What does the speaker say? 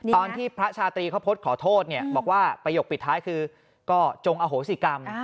พระชาตรีเขาโพสต์ขอโทษเนี่ยบอกว่าประโยคปิดท้ายคือก็จงอโหสิกรรม